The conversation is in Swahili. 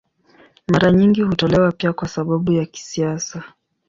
Mara nyingi hutolewa pia kwa sababu za kisiasa.